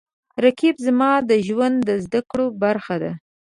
رقیب زما د ژوند د زده کړو برخه ده